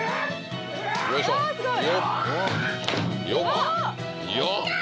よいしょ！わすごい！